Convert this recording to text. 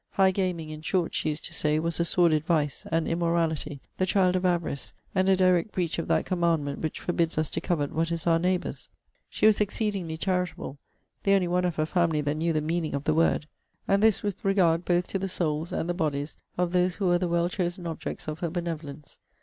'High gaming, in short,' she used to say, 'was a sordid vice; an immorality; the child of avarice; and a direct breach of that commandment, which forbids us to covet what is our neighbour's.' She was exceedingly charitable; the only one of her family that knew the meaning of the word; and this with regard both to the souls and the bodies of those who were the well chosen objects of her benevolence.